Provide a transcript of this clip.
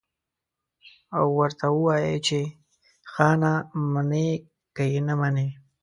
او ورته ووايي چې خانه منې که يې نه منې.